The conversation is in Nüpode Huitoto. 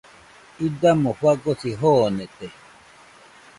Idamo fagosi joonete.